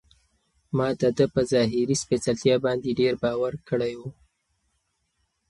ما د ده په ظاهري سپېڅلتیا باندې ډېر باور کړی و.